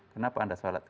kenapa anda salat